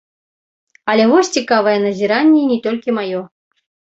Але вось цікавае назіранне, і не толькі маё.